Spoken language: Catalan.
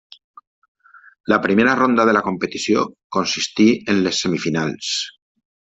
La primera ronda de la competició consistí en les semifinals.